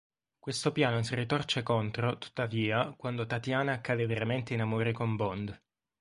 Questo piano si ritorce contro, tuttavia, quando Tatiana cade veramente in amore con Bond.